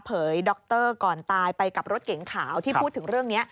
เยดรก่อนตายไปกับรถเก๋งขาวที่พูดถึงเรื่องนี้